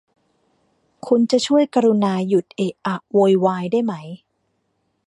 คุณจะช่วยกรุณาหยุดเอะอะโวยวายได้ไหม ?